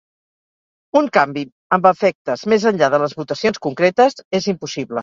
Un canvi amb efectes més enllà de les votacions concretes és impossible.